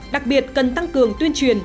đặc biệt cần tăng cường tuyên truyền